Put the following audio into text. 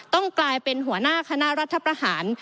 กลายเป็นหัวหน้าคณะรัฐประหาร